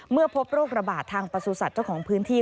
เมื่อพบโรคระบาดทางประสูจน์สัตว์เจ้าของพื้นที่